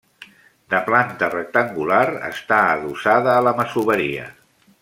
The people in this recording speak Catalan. De planta rectangular, està adossada a la masoveria.